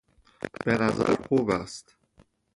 به نظر خوب است.